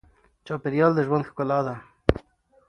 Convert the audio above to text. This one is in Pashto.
چاپېریال د ژوند ښکلا ده.